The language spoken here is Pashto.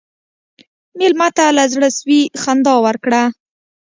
مېلمه ته له زړه سوي خندا ورکړه.